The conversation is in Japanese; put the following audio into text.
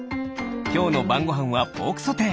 きょうのばんごはんはポークソテー。